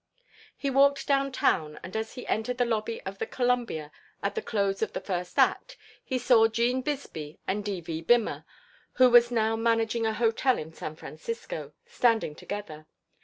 He walked down town and as he entered the lobby of the Columbia at the close of the first act he saw 'Gene Bisbee and D.V. Bimmer, who was now managing a hotel in San Francisco, standing together.